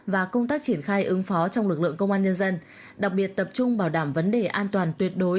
và công tác triển khai ứng phó trong lực lượng công an nhân dân đặc biệt tập trung bảo đảm vấn đề an toàn tuyệt đối